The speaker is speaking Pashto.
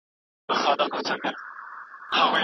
خپلواکه څېړنه د سندي څېړني په پرتله ستونزمنه ده.